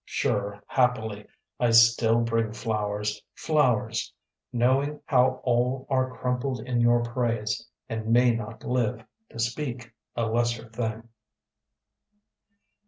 Sure happily I still bring flowers, flowers, Knowing how all Are crumpled in your praise And may not live To speak a lesser thing.